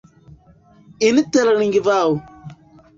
interlingvao